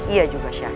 ia juga syahir